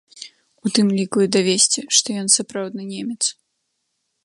У тым ліку і давесці, што ён сапраўдны немец.